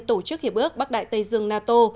tổ chức hiệp ước bắc đại tây dương nato